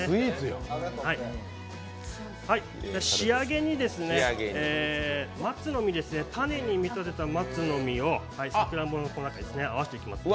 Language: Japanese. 仕上げに松の実、種に見立てた松の実をサクランボの中に合わせていきますね。